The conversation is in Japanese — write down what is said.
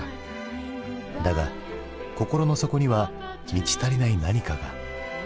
だが心の底には満ち足りない何かが。